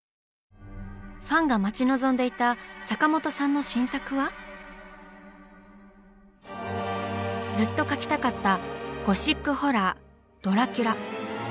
ファンが待ち望んでいたずっと描きたかったゴシックホラー「ドラキュラ」。